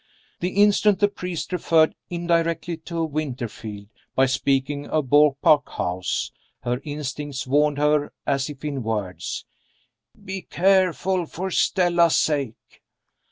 The instant the priest referred indirectly to Winterfield, by speaking of Beaupark House, her instincts warned her, as if in words: Be careful for Stella's sake!